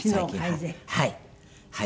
はい。